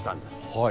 はい。